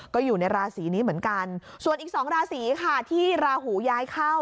ก็อยู่ในราศีนี้เหมือนกันส่วนอีกสองราศีค่ะที่ราหูย้ายเข้า